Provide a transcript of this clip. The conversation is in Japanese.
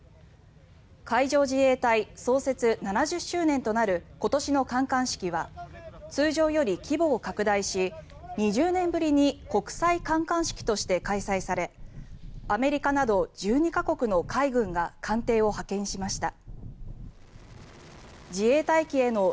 海上自衛隊創設７０周年となる今年の観艦式は通常より規模を拡大し２０年ぶりに国際観艦式として開催されアメリカなど１２か国の海軍が艦艇を派遣しました。